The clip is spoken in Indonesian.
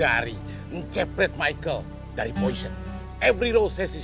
gak kece etmek lo trading lebih kecil